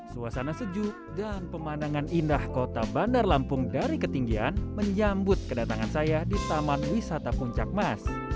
suasana sejuk dan pemandangan indah kota bandar lampung dari ketinggian menjambut kedatangan saya di taman wisata puncak mas